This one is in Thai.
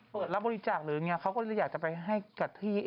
เปิดรับบริจาคหรืออย่างนี้เขาก็เลยอยากจะไปให้กับที่